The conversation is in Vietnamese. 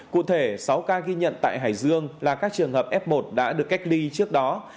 cụ thể sáu ca ghi nhận tại hải dương là các trường hợp f một đã được cách ly trước đó